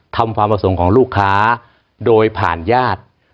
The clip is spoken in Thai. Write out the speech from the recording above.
ความประสงค์ของลูกค้าโดยผ่านญาติ